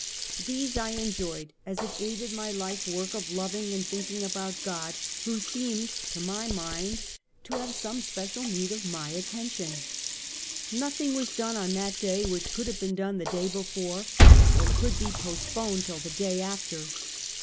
These I enjoyed, as it aided my life work of loving and think ing about God, who seemed, to my mind, to have some special need of my attention, Nothing was done on that day which could have been done the day before, or could be postponed till tlie day after.